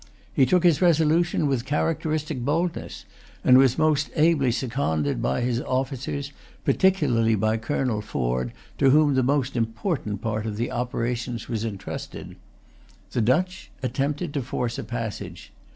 He took his resolution with characteristic boldness, and was most ably seconded by his officers, particularly by Colonel Forde, to whom the most important part of the operations was intrusted. The Dutch attempted to force a passage.